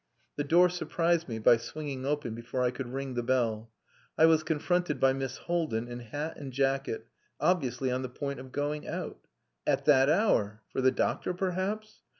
The door surprised me by swinging open before I could ring the bell. I was confronted by Miss Haldin, in hat and jacket, obviously on the point of going out. At that hour! For the doctor, perhaps?